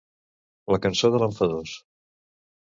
La cançó de l'enfadós.